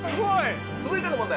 続いての問題